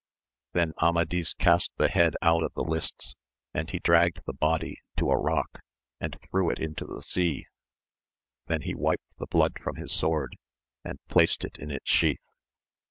Then Amadis cast the head out of the lists, and he dragged the body to a rock and threw it into the sea, then he wiped the blood from his sword and placed it in its sheath.